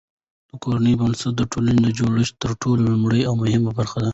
د کورنۍ بنسټ د ټولني د جوړښت تر ټولو لومړۍ او مهمه برخه ده.